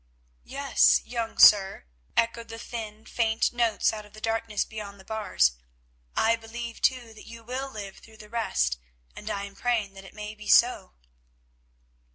"Yes, young sir," echoed the thin, faint notes out of the darkness beyond the bars, "I believe, too, that you will live through the rest, and I am praying that it may be so."